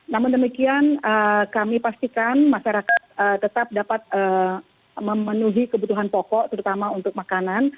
namun demikian kami pastikan masyarakat tetap dapat memenuhi kebutuhan pokok terutama untuk makanan